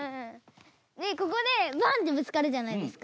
でここでバン！ってぶつかるじゃないですか。